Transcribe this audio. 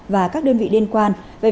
và các đơn vị liên quan